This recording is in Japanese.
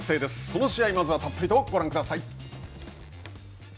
その試合、まずはたっぷりとご覧ください。